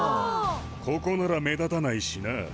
ここなら目立たないしな。